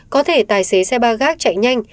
có thể tài xế xe ba gác chạy nhanh